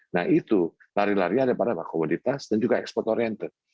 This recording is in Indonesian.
nah itu lari larinya daripada komoditas dan juga ekspor oriental